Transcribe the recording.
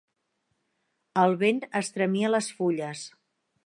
El vent estremia les fulles.